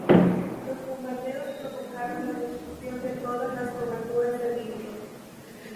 Los bombardeos provocaron la destrucción de todas las coberturas de vidrio.